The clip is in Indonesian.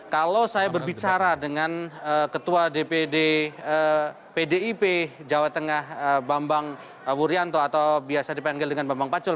kalau saya berbicara dengan ketua dpd pdip jawa tengah bambang wuryanto atau biasa dipanggil dengan bambang pacul